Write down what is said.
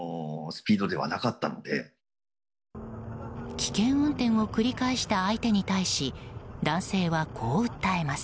危険運転を繰り返した相手に対し男性はこう訴えます。